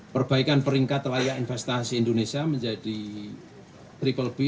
perbaikan peringkat layak investasi indonesia menjadi triple b